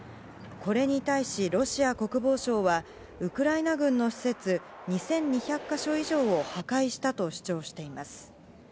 これに対し、ロシア国防省はウクライナ軍の施設２２００か所以上を破壊したと主張しています。